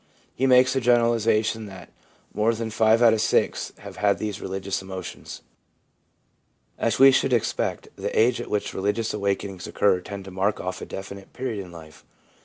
He makes the generalisation that * more than five out of six have had these religious emotions/ As we should expect, the age at which religious awakenings occur tends to mark off a definite period in life.